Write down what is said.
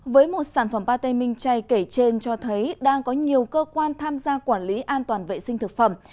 với một sản phẩm pate minh chay kể trên cho thấy đang có nhiều cơ quan tham gia quản lý an toàn vệ sinh thực phẩm